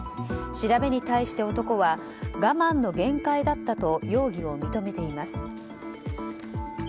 調べに対して男は我慢の限界だったと容疑を認めています。